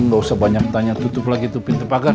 kamu gak usah banyak tanya tutup lagi tuh pinter pagar